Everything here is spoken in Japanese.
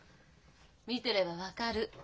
見てれば分かる。